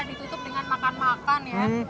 ditutup dengan makan makan ya